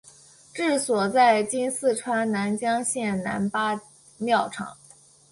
治所在今四川南江县南八庙场。